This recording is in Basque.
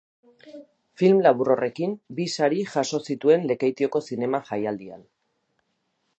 Film labur horrekin, bi sari jaso zituen Lekeitioko zinema jaialdian.